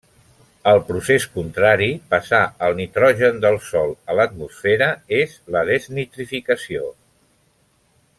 El procés contrari, passar el nitrogen del sòl a l'atmosfera, és la desnitrificació.